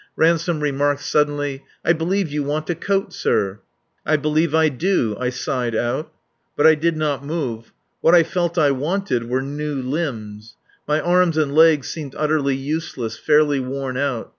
Ransome remarked suddenly: "I believe you want a coat, sir." "I believe I do," I sighed out. But I did not move. What I felt I wanted were new limbs. My arms and legs seemed utterly useless, fairly worn out.